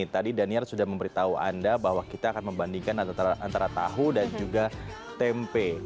tadi daniel sudah memberitahu anda bahwa kita akan membandingkan antara tahu dan juga tempe